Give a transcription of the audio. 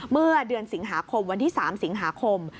เมื่อเดือนสิงหาคมวันที่๓สิงหาคม